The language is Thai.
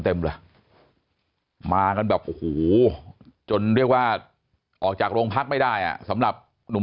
เต็มมากันแบบหูจนเรียกว่าออกจากโรงพักไม่ได้สำหรับหนุ่ม